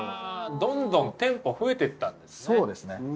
どんどん店舗増えていったんですね。